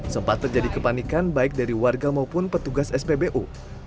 sempat terjadi kepanikan baik dari warga maupun petugas spbu